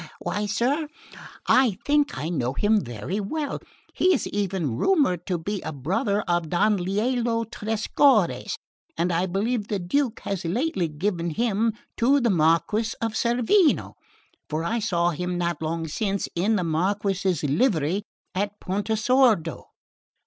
Why, sir, I think I know him very well; he is even rumoured to be a brother of Don Lelio Trescorre's, and I believe the Duke has lately given him to the Marquess of Cerveno, for I saw him not long since in the Marquess's livery at Pontesordo."